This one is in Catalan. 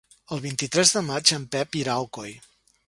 El vint-i-tres de maig en Pep irà a Alcoi.